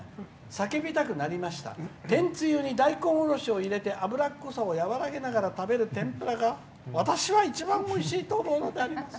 天つゆに大根おろしを入れて油っこさを和らげながら食べる、天ぷらが私は一番おいしいと思うのであります」。